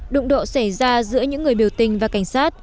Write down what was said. đụng độ xảy ra giữa những người biểu tình và cảnh sát